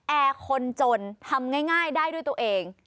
แอร์คนจนทำง่ายได้ด้วยตัวเอง